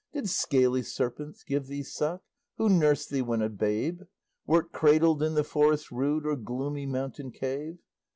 Did scaly serpents give thee suck? Who nursed thee when a babe? Wert cradled in the forest rude, Or gloomy mountain cave?